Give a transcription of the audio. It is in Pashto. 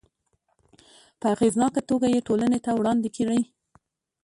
په اغیزناکه توګه یې ټولنې ته وړاندې کړي.